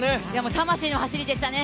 魂の走りでしたね。